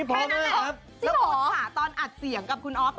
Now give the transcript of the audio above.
ถ้าหัวหาตอนอัดเสียงกับคุณอ๘๕นะคะ